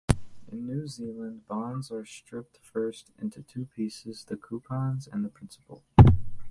In New Zealand, bonds are stripped first into two pieces-the coupons and the principal.